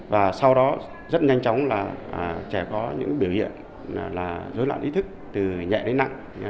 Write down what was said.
và sau đó rất nhanh chóng là trẻ có những biểu hiện là dối loạn ý thức từ nhẹ đến nặng